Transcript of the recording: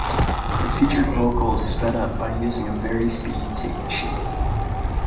It featured vocals sped up by using a vari-speed tape machine.